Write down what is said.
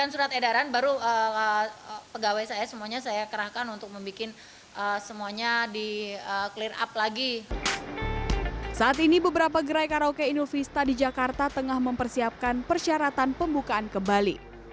saat ini beberapa gerai karaoke inovista di jakarta tengah mempersiapkan persyaratan pembukaan kembali